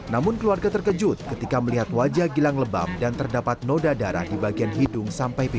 namun keluarga terkejut ketika melihat wajah gilang lebam dan terdapat noda darah di bagian hidung sampai pintu